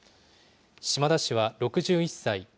島田氏は６１歳。